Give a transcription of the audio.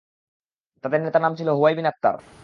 তাদের নেতার নাম হুয়াই বিন আখতার।